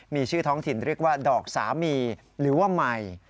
มีชื่อท้องถิ่นเรียกว่าดอกสามีหรือว่าใหม่